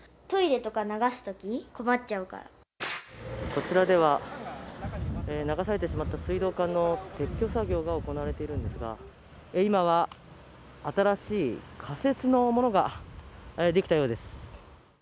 こちらでは、流されてしまった水道管の撤去作業が行われているんですが今は新しい仮説のものができたようです。